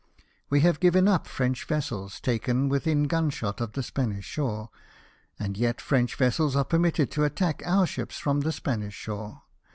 We have given up French vessels taken within gun shot of the Spanish shore, and yet French vessels are permitted to attack our ships from the Spanish shore.